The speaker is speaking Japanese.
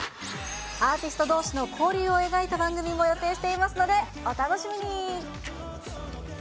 アーティストどうしの交流を描いた番組も予定していますのでお楽しみに。